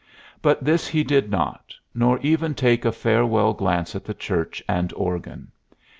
But this he did not, nor even take a farewell glance at the church and organ.